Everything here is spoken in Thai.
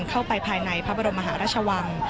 เข้าไปภายในพระบรมมหาราชวัง